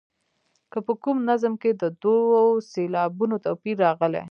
که په کوم نظم کې د دوو سېلابونو توپیر راغلی.